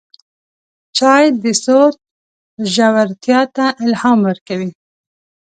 چای د سوچ ژورتیا ته الهام ورکوي